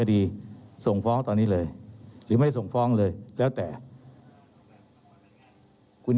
เรามีการปิดบันทึกจับกลุ่มเขาหรือหลังเกิดเหตุแล้วเนี่ย